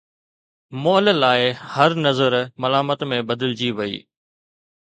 مئل لاءِ هر نظر ملامت ۾ بدلجي وئي